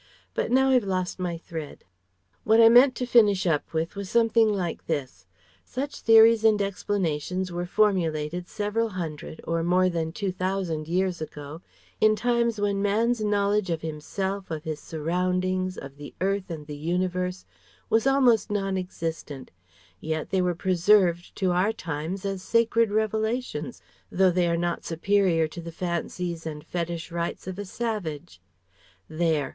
But now I've lost my thread.... What I meant to finish up with was something like this 'Such theories and explanations were formulated several hundred, or more than two thousand years ago, in times when Man's knowledge of himself, of his surroundings, of the earth and the universe was almost non existent, yet they are preserved to our times as sacred revelations, though they are not superior to the fancies and fetish rites of a savage.' There!